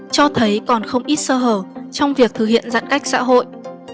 cho thấy còn không ít sơ hở trong việc thực hiện giãn cách xã hội